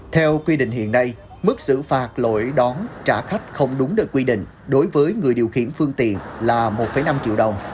theo quy định hiện nay mức xử phạt lỗi đón trả khách không đúng đợt quy định đối với người điều khiển phương tiện là một năm triệu đồng